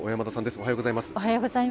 おはようございます。